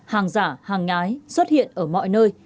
hàng giả hàng nhái xuất hiện ở mọi nơi